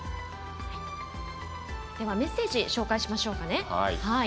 メッセージ紹介しましょうか。